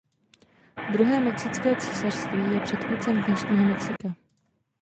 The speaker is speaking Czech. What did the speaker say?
Druhé Mexické císařství je předchůdcem dnešního Mexika.